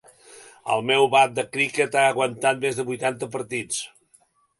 El meu bat de criquet ha aguantat més de vuitanta partits.